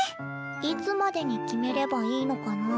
いつまでに決めればいいのかなあ。